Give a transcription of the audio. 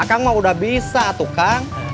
a kang mau udah bisa tuh kan